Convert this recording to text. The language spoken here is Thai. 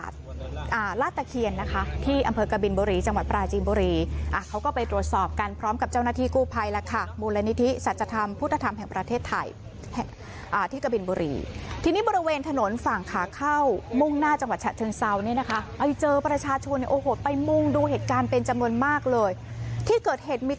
ตลาดตะเคียนนะคะที่อำเภอกบินบุรีจังหวัดปราจีนบุรีอ่ะเขาก็ไปตรวจสอบกันพร้อมกับเจ้าหน้าที่กู้ภัยแล้วค่ะมูลนิธิสัจธรรมพุทธธรรมแห่งประเทศไทยอ่าที่กะบินบุรีทีนี้บริเวณถนนฝั่งขาเข้ามุ่งหน้าจังหวัดฉะเชิงเซาเนี่ยนะคะไปเจอประชาชนเนี่ยโอ้โหไปมุ่งดูเหตุการณ์เป็นจำนวนมากเลยที่เกิดเหตุมี